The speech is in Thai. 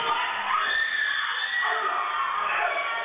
เจ้าเจ้าเจ้าเจ้าเจ้า